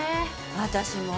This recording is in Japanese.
私も。